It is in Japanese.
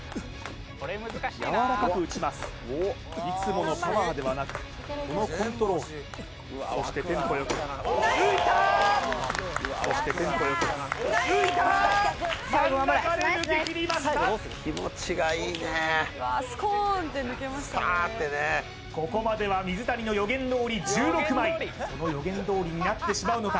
柔らかく打ちますいつものパワーではなくこのコントロールそしてテンポよく抜いたー！そしてテンポよく抜いたー！真ん中で抜けきりましたその予言どおりになってしまうのか？